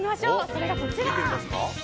それがこちら。